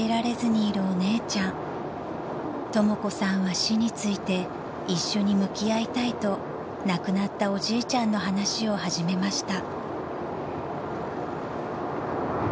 ［とも子さんは死について一緒に向き合いたいと亡くなったおじいちゃんの話を始めました］